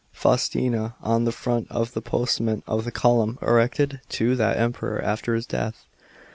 CHAP, xxx Faustina on the front of the postament of the column erected to that Emperor after his death.